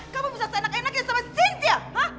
kamu bisa seenak enakin sama cynthia